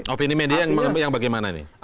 opini media yang bagaimana ini